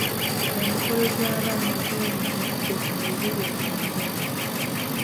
Emikolo gy'abaana giyindidde mu lubiri e Mengo.